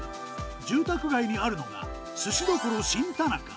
住宅街にあるのが、すし処新田中。